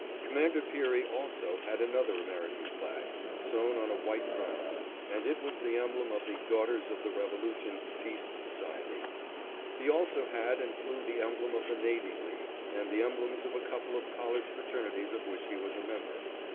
Commander Peary also had another American flag, sewn on a white ground, and it was the emblem of the "Daughters of the Revolution Peace Society"; he also had and flew the emblem of the Navy League, and the emblems of a couple of college fraternities of which he was a member.